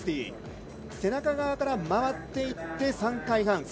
背中側から回っていって３回半。